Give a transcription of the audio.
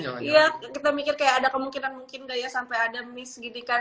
iya kita mikir kayak ada kemungkinan mungkin gak ya sampai ada miss gini kan